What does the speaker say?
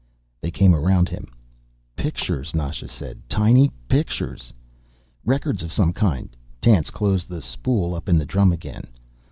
They came around him. "Pictures," Nasha said. "Tiny pictures." "Records of some kind." Tance closed the spool up in the drum again.